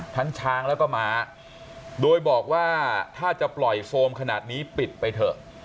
ช้างแล้วก็ม้าโดยบอกว่าถ้าจะปล่อยโซมขนาดนี้ปิดไปเถอะ